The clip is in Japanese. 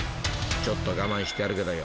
ちょっと我慢してやるけどよ］